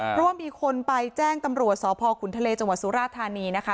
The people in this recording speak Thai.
เพราะว่ามีคนไปแจ้งตำรวจสพขุนทะเลจังหวัดสุราธานีนะคะ